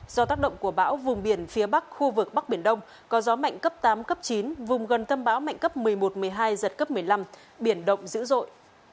do tác động của bão vùng biển phía bắc khu vực bắc biển đông có gió mạnh cấp tám cấp chín vùng gần tâm bão mạnh cấp một mươi một một mươi hai giật cấp một mươi năm biển động dữ dội